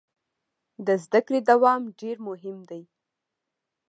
د زده کړې دوام ډیر مهم دی.